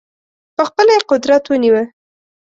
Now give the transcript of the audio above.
په خپله یې قدرت ونیوی.